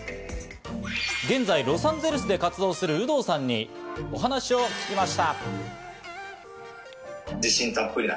現在、ロサンゼルスで活動する有働さんにお話を聞きました。